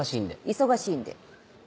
「忙しいんで」。